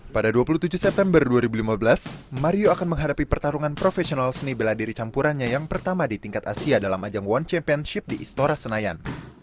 pada dua puluh tujuh september dua ribu lima belas mario akan menghadapi pertarungan profesional seni bela diri campurannya yang pertama di tingkat asia dalam ajang one championship di istora senayan